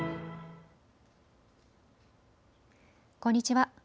こんにちは。